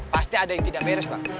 pasti ada yang tidak beres pak